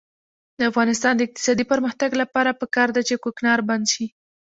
د افغانستان د اقتصادي پرمختګ لپاره پکار ده چې کوکنار بند شي.